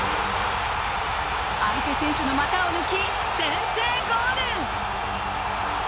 相手選手の股を抜き先制ゴール！